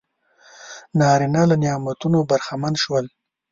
نارینه له نعمتونو برخمن شول.